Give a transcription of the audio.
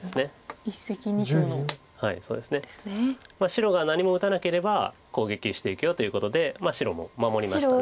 白が何も打たなければ攻撃していくよということで白も守りました。